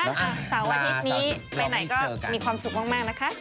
เสาร์อาทิตย์นี้ไปไหนก็มีความสุขมากนะคะ